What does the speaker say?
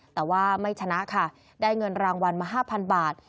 แต่ว่าไม่ชนะค่ะได้เงินรางวัลมา๕๐๐บาท